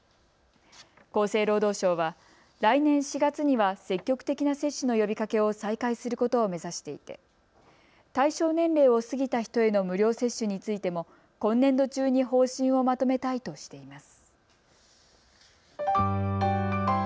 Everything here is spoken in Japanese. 厚生労働省は来年４月には積極的な接種の呼びかけを再開することを目指していて対象年齢を過ぎた人への無料接種についても今年度中に方針をまとめたいとしています。